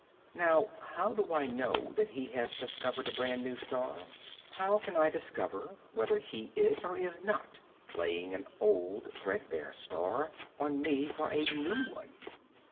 Now, how do I know that he has discovered a brand new star? How can I discover whether he is or is not playing an old, threadbare star on me for a new one?